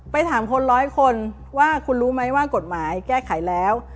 ถามคนร้อยคนว่าคุณรู้ไหมว่ากฎหมายแก้ไขแล้ว